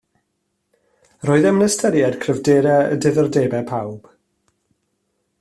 Yr oeddem yn ystyried cryfderau a diddordebau pawb